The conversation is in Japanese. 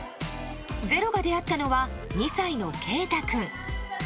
「ｚｅｒｏ」が出会ったのは２歳の景太君。